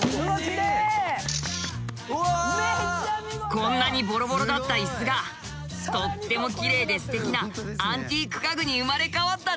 こんなにボロボロだった椅子がとってもきれいですてきなアンティーク家具に生まれ変わったね。